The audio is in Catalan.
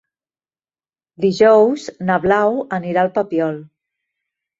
Dijous na Blau anirà al Papiol.